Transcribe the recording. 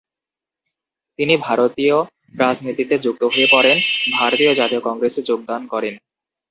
তিনি ভারতীয় রাজনীতিতেও যুক্ত হয়ে পড়েন, ভারতীয় জাতীয় কংগ্রেসে যোগদান করেন।